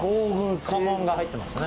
家紋が入ってますね。